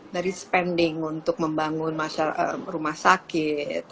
dari spending untuk membangun rumah sakit